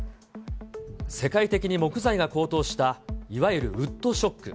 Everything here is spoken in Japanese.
世界的に木材が高騰したいわゆるウッドショック。